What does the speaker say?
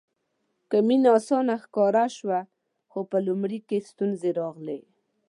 که مینه اسانه ښکاره شوه خو په لومړي کې ستونزې راغلې.